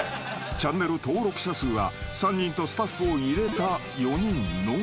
［チャンネル登録者数は３人とスタッフを入れた］